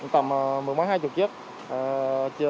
tầm một mươi máy hai mươi chiếc